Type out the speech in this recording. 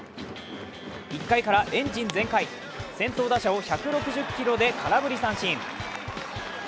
１回からエンジン全開、先頭打者を１６０キロで空振り三振。